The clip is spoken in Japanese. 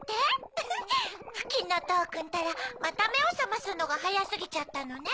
ウフっふきのとうくんったらまためをさますのがはやすぎちゃったのね。